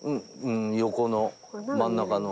横の真ん中の。